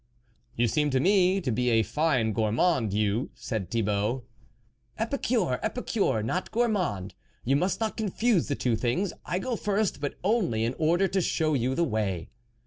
"You seem to me to be a fine gour mand, you," said Thibault. " Epicure, epicure, not gourmand you must not confuse the two things. I go first, but only in order to show you the way."